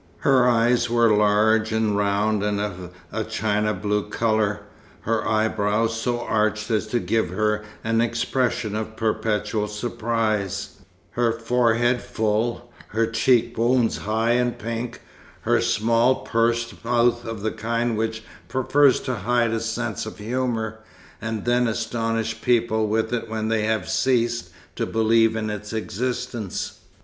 Her eyes were large and round, and of a china blue colour; her eyebrows so arched as to give her an expression of perpetual surprise, her forehead full, her cheekbones high and pink, her small, pursed mouth of the kind which prefers to hide a sense of humour, and then astonish people with it when they have ceased to believe in its existence.